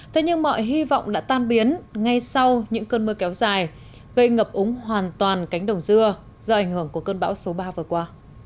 thế nhưng mọi hy vọng đã tan biến ngay sau những cơn mưa kéo dài gây ngập úng hoàn toàn cánh đồng dưa do ảnh hưởng của cơn bão số ba vừa qua